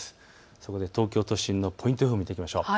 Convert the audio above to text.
そこで東京都心のポイント予報を見てみましょう。